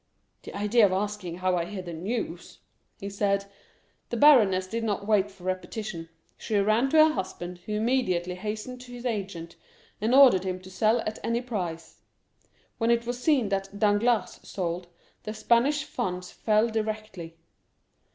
"The idea of asking how I hear the news," he said. The baroness did not wait for a repetition; she ran to her husband, who immediately hastened to his agent, and ordered him to sell at any price. When it was seen that Danglars sold, the Spanish funds fell directly.